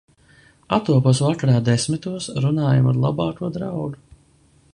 Attopos vakarā desmitos runājam ar labāko draugu.